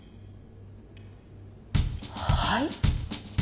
はい？